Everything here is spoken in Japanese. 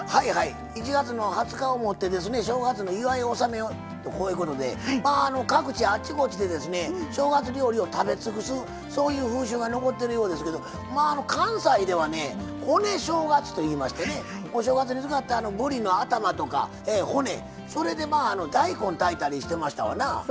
１月２０日をもって正月の祝い納めとこういうことで各地、あちこちで正月料理を食べ尽くすそういう風習が残ってるようですけど関西ではね、骨正月といいましてお正月に使った、ぶりの頭とか骨、それで大根を炊いたりしてましたわ。